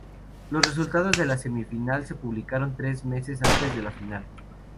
Los resultados de la semifinal se publicaron tres meses antes de la final.